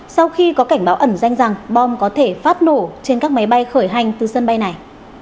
sau khi có cảnh báo ẩn danh rằng bom có thể phát nổ trên các máy bay khởi hành từ sân bay này